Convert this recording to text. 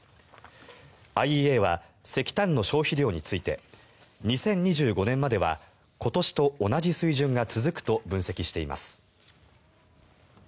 ＩＥＡは石炭の消費について２０２５年までは今年と同じ水準が続くと分析しています。